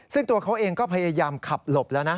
ซึ่งตัวเขาเองก็พยายามขับหลบแล้วนะ